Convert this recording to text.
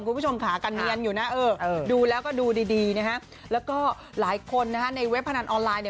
คุณผู้ชมขากันเมียนอยู่นะดูแล้วก็ดูดีแล้วก็หลายคนในเว็บไซต์พนันออนไลน์